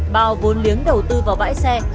bao vốn liếng đầu tư vào bãi xe